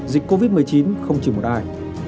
dịch covid một mươi chín không chỉ một ai